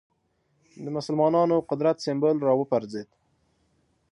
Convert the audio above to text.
د مسلمانانو قدرت سېمبول راوپرځېد